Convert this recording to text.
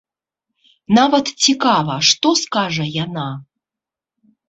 Нават цікава, што скажа яна.